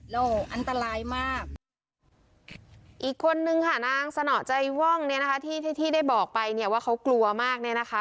แล้วอันตรายมากอีกคนนึงค่ะนางสนอใจว่องเนี่ยนะคะที่ที่ได้บอกไปเนี่ยว่าเขากลัวมากเนี่ยนะคะ